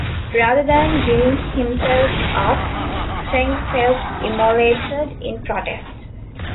Rather than giving himself up, Cheng self-immolated in protest.